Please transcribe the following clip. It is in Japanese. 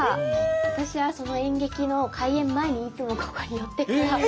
私はその演劇の開演前にいつもここに寄ってから行ってました。